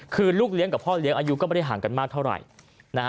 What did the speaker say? คือลูกเลี้ยงกับพ่อเลี้ยงอายุก็ไม่ได้ห่างกันมากเท่าไหร่